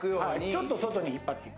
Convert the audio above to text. ちょっと外に引っ張っていく。